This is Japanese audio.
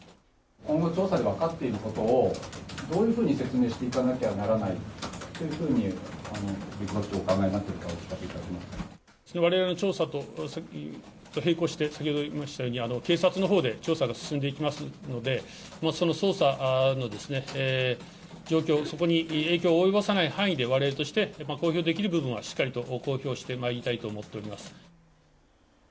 今後、調査で分かっていくことを、どういうふうに説明していかなきゃならないというふうに陸幕長、われわれの調査と並行して、先ほど言いましたように、警察のほうで調査が進んでいきますので、その捜査の状況、そこに影響を及ぼさない範囲で、われわれとして、公表できる部分はしっかりと公表してまいりたいと思っております。